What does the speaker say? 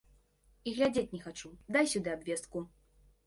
І глядзець не хачу, дай сюды абвестку.